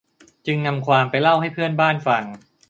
จึงนำความไปเล่าให้เพื่อนบ้านฟัง